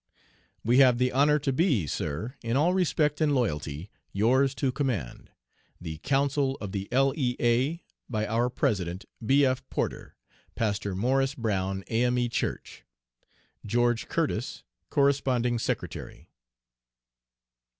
We have the honor to be, Sir, in all respect and loyalty, yours to command. The Council of the L. E. A. By our President, B. F. PORTER, Pastor Morris Brown A.M.E. Church. GEO. CURTIS, Corresponding Secretary.